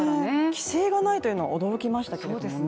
規制がないというのは驚きましたけれどね。